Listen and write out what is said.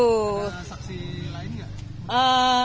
ada saksi lain nggak